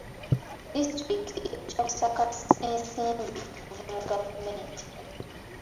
Disitulikiti ejja kusaka ensimbi okuva mu gavumenti.